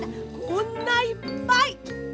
こんないっぱい！